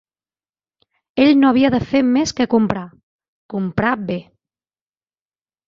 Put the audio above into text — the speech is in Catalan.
Ell no havia de fer més que comprar; «comprar bé»